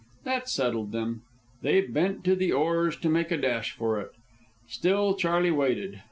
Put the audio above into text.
That settled them. They bent to the oars to make a dash for it. Still Charley waited.